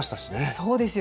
そうですよ。